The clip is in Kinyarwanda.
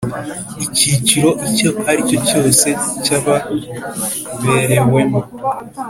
icyiciro icyo ari cyo cyose cy ababerewemo